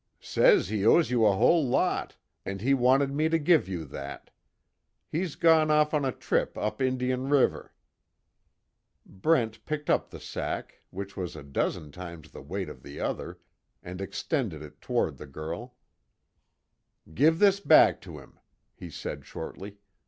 "Says he owes you a whole lot, and he wanted me to give you that. He's gone off on a trip up Indian River." Brent picked up the sack, which was a dozen times the weight of the other, and extended it toward the girl: "Give this back to him," he said shortly.